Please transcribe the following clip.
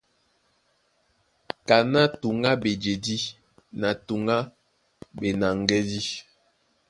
Kaná tǔŋ á ɓejedí na tǔŋ á ɓenaŋgédí.